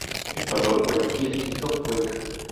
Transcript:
Ecuador: Guayaquil, Quito, Cuenca.